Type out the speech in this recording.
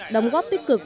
đóng góp tích cực